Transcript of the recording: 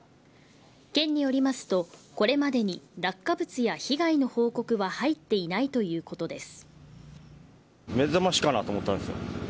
県によりますとこれまでに落下物や被害の報告は入っていないということです。